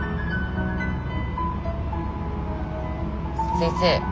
先生